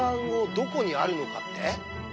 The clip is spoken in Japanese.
どこにあるのかって？